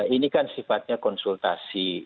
ini kan sifatnya konsultasi